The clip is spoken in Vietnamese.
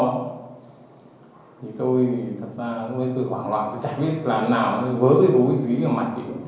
thì tôi thật ra tôi quảng loạn tôi chẳng biết lần nào vớ vô cái dí ở mặt chị